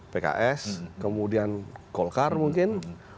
pks kemudian kolkar mungkin